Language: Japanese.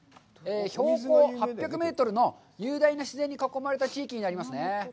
標高８００メートルの雄大な自然に囲まれた地域になりますね。